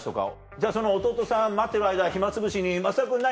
じゃあその弟さん待ってる間暇つぶしに増田君何？